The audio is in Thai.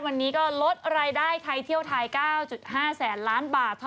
วันนี้ก็ลดรายได้ไทยเที่ยวไทย๙๕แสนล้านบาท